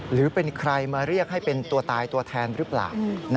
หรือเป็นใครมาเรียกให้เป็นตัวตายตัวแทนหรือเปล่า